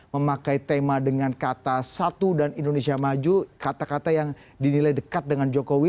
memakai tema dengan kata satu dan indonesia maju kata kata yang dinilai dekat dengan jokowi